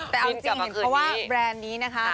แต่เอาจริงเห็นเพราะว่าแบรนด์นี้นะคะ